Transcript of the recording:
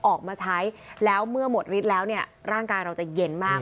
ออกมาใช้แล้วเมื่อหมดฤทธิ์แล้วเนี่ยร่างกายเราจะเย็นมาก